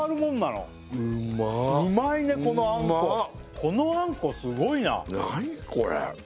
このあんこすごいな何これ？